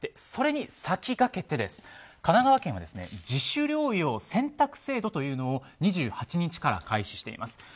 それに先駆けて、神奈川県は自主療養選択制度というのを２８日から開始しています。